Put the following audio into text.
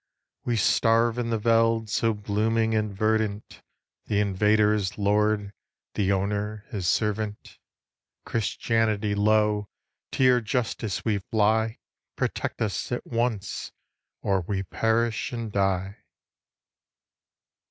We starve in the veld So blooming and verdant; The invader is lord, The owner his servant. Christianity lo! To your justice we fly; Protect us at once, Or we perish and die.